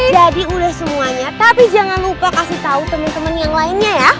jadi udah semuanya tapi jangan lupa kasih tau temen temen yang lainnya ya